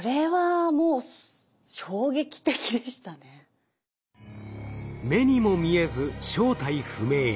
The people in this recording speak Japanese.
それが目にも見えず正体不明。